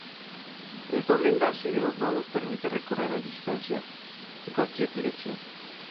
El doble enlace de los nodos permite recorrer la lista en cualquier dirección.